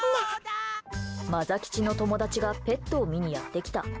マザ吉の友達がペットを見にやってきた。